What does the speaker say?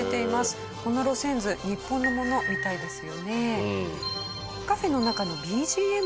この路線図日本のものみたいですよね。